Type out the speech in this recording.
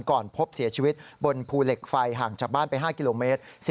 ก่อนพบเสียชีวิตบนภูเหล็กไฟห่างจากบ้านไป๕กิโลเมตร